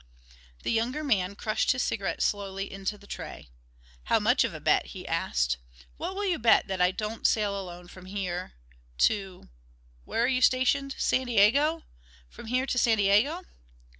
The younger man crushed his cigarette slowly into the tray. "How much of a bet?" he asked. "What will you bet that I don't sail alone from here to where are you stationed? San Diego? from here to San Diego?"